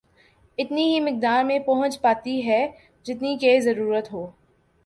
اتنی ہی مقدار میں پہنچ پاتی ہے جتنی کہ ضرورت ہو